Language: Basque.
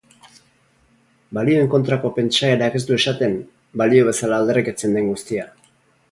Balioen kontrako pentsaerak ez du esaten, balio bezala aldarrikatzen den guztia.